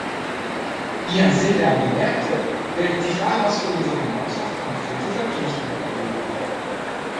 Wie Herr Sindal bemerkte, werden sich daraus für unsere Gemeinschaft konkrete Verpflichtungen ergeben.